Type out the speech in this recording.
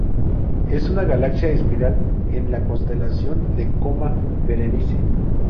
Es una galaxia espiral en la constelación de Coma Berenice.